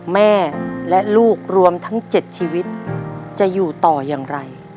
แม่และลูกรวมทั้ง๗ชีวิตจะอยู่ต่ออย่างไร